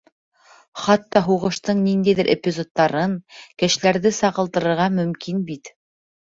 Хатта һуғыштың ниндәйҙер эпизодтарын, кешеләрҙе сағылдырырға мөмкин бит.